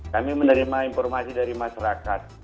kami menerima informasi dari masyarakat